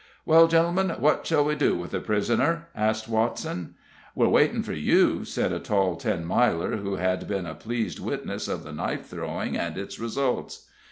"Well, gentlemen, what shall we do with the prisoner?" asks Watson. "We're waiting for you," said a tall Ten Miler, who had been a pleased witness of the knife throwing and its results.